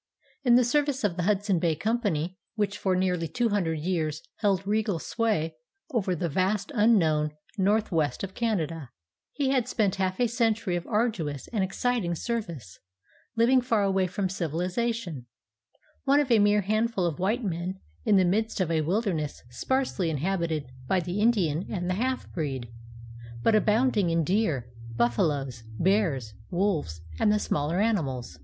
In the service of the Hudson Bay Company, which for nearly two hundred years held regal sway over the vast unknown north west of Canada, he had spent half a century of arduous and exciting service, living far away from civilization, one of a mere handful of white men in the midst of a wilderness sparsely inhabited by the Indian and the half breed, but abounding in deer, buffaloes, bears, wolves, and the smaller wild animals.